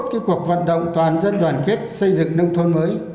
các cuộc vận động toàn dân đoàn kết xây dựng nông thôn mới